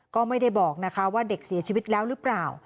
ก็ไม่ได้บอกนะคะว่าเด็กเสียชีวิตแล้วหรือเปล่า